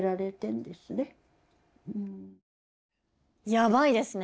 やばいですね。